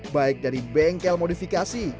baik dari bengkel modifikasi